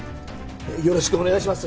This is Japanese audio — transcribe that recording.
よろしくお願いします